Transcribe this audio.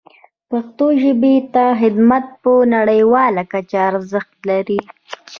پښتو ژبې ته خدمت په نړیواله کچه ارزښت لري.